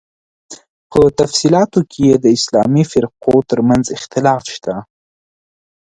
په تفصیلاتو کې یې د اسلامي فرقو تر منځ اختلاف شته.